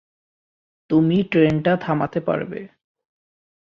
তুমি ট্রেনটা থামাতে পারবে।